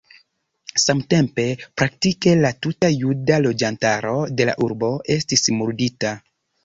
Samtempe praktike la tuta juda loĝantaro de la urbo estis murdita.